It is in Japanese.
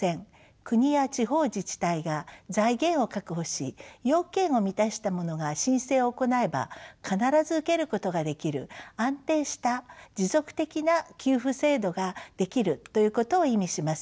国や地方自治体が財源を確保し要件を満たした者が申請を行えば必ず受けることができる安定した持続的な給付制度ができるということを意味します。